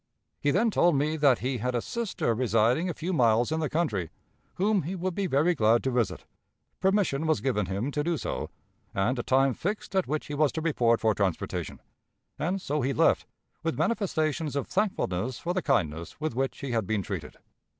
He then told me that he had a sister residing a few miles in the country, whom he would be very glad to visit. Permission was given him to do so, and a time fixed at which he was to report for transportation; and so he left, with manifestations of thankfulness for the kindness with which he had been treated.